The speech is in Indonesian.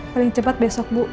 paling cepat besok bu